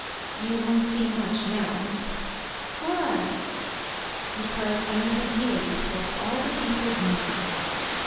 "You won't see much now." "Why?" "Because I have nearly swept all the people home."